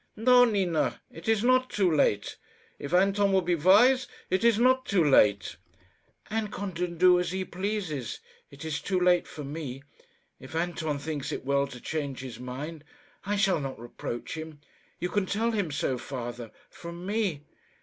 "No, Nina, it is not too late. If Anton would be wise, it is not too late." "Anton can do as he pleases. It is too late for me. If Anton thinks it well to change his mind, I shall not reproach him. You can tell him so, father from me."